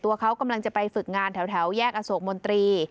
ตัวเขากำลังจะไปฝึกงานแถวแยกอโศกมนตรี